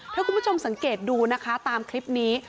ถ้าคุณผู้ชมสังเกตดูนะคะตามคลิปนี้